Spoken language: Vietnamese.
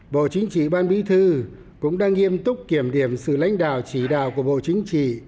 bộ chính trị ban bí thư cũng đang nghiêm túc kiểm điểm sự lãnh đạo chỉ đạo của bộ chính trị